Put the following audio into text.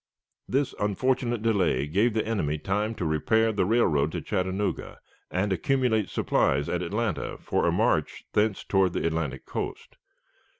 This unfortunate delay gave the enemy time to repair the railroad to Chattanooga, and accumulate supplies at Atlanta for a march thence toward the Atlantic coast.